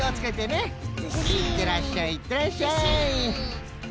いってらっしゃいいってらっしゃい！